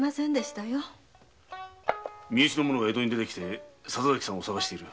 身内の者が江戸に出てきて笹崎さんを捜している。